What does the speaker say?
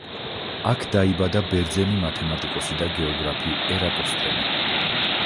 იქ დაიბადა ბერძენი მათემატიკოსი და გეოგრაფი ერატოსთენე.